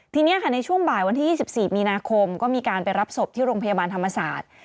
ทีนี้ค่ะในช่วงบ่ายวันที่๒๔มีนาคมก็มีการไปรับศพที่โรงพยาบาลธรรมศาสตร์